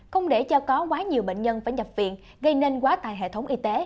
không để cho có quá nhiều bệnh nhân phải nhập viện gây nên quá tài hệ thống y tế